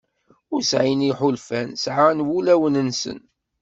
Ur sɛin iḥulfan, ɛṣan wulawen-nsen.